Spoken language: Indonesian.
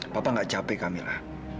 papa gak capek kak mila